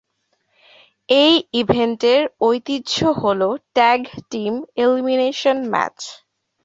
এই ইভেন্টের ঐতিহ্য হলো ট্যাগ টিম এলিমিনেশন ম্যাচ।